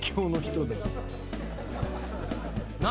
何？